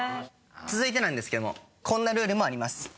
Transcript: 続いてなんですけどもこんなルールもあります。